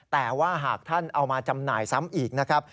แต่ว่าหากท่านเอามาจำหน่ายซ้ำอีกนะครับ